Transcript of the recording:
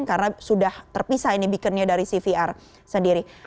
karena sudah terpisah ini beaconnya dari cvr sendiri